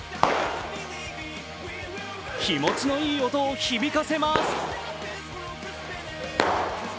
気持ちのいい音を響かせます。